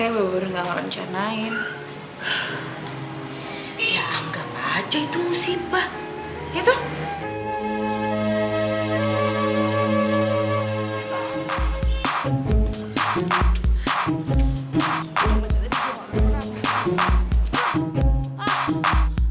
karena kejadian itu saya benar benar gak ngerancang